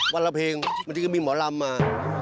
วันละเพลงมันจริงมีหมอรำมา